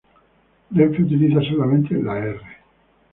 Renfe utiliza solamente la "R".